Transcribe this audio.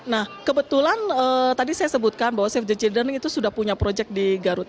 nah kebetulan tadi saya sebutkan bahwa safe jarden itu sudah punya project di garut